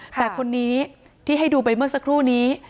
แต่คนนี้ที่ให้ดูไปเมื่อสักครู่นี้